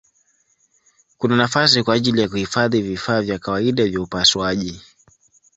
Kuna nafasi kwa ajili ya kuhifadhi vifaa vya kawaida vya upasuaji.